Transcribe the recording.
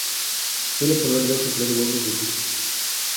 Suele poner dos o tres huevos rojizos.